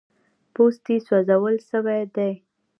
پوستې سوځول سوي دي.